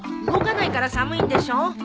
動かないから寒いんでしょう？